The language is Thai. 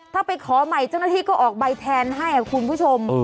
ถ้าไปขอใหม่เจ้าหน้าที่ก็ออกใบแทนให้คุณผู้ชม